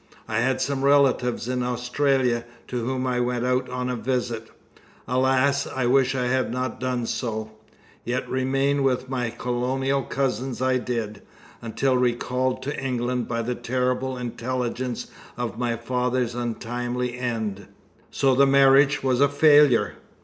I had some relatives in Australia, to whom I went out on a visit. Alas! I wish I had not done so; yet remain with my colonial cousins I did, until recalled to England by the terrible intelligence of my father's untimely end." "So the marriage was a failure?"